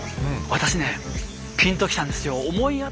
私ねピンときたんですよ。